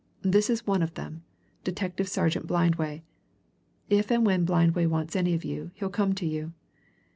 This is one of them: Detective Sergeant Blindway. If and when Blindway wants any of you, he'll come to you.